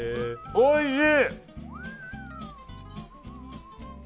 おいしい！